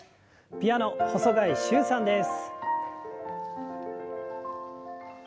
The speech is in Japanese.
ピアノ細貝柊さんです。